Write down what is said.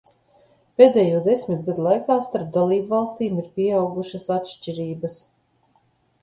Pēdējo desmit gadu laikā starp dalībvalstīm ir pieaugušas atšķirības.